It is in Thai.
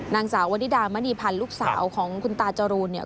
นางสาววนิดามณีพันธ์ลูกสาวของคุณตาจรูนเนี่ย